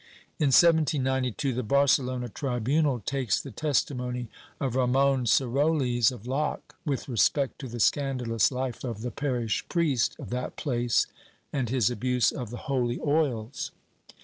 In 1792 the Barcelona tribunal takes the testimony of Ramon Serolcs of Lloc, with respect to the scandalous life of the parish priest of that place and his abuse of the holy oils.